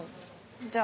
じゃあ。